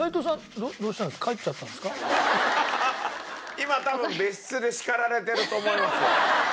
今多分別室で叱られてると思いますよ。